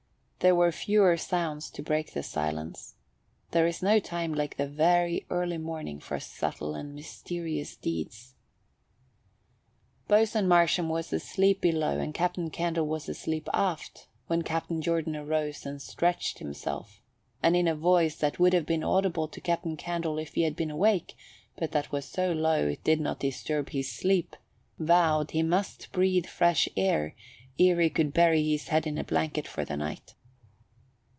There were fewer sounds to break the silence. There is no time like the very early morning for subtle and mysterious deeds. Boatswain Marsham was asleep below and Captain Candle was asleep aft, when Captain Jordan arose and stretched himself, and in a voice that would have been audible to Captain Candle if he had been awake but that was so low it did not disturb his sleep, vowed he must breathe fresh air ere he could bury his head in a blanket for the night.